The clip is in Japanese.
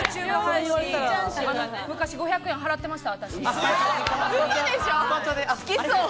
私、５００円払ってました。